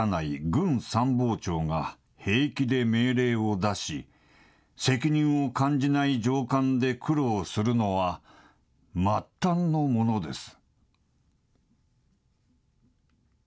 軍参謀長が、平気で命令を出し、責任を感じない上官で苦労するのは末端のものです。